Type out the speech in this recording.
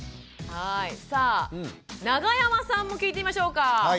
さあ永山さんも聞いてみましょうか。